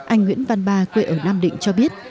anh nguyễn văn ba quê ở nam định cho biết